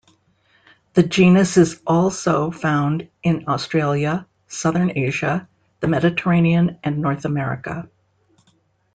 The genus is also found in Australia, southern Asia, the Mediterranean, and North America.